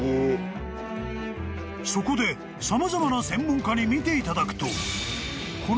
［そこで様々な専門家に見ていただくと］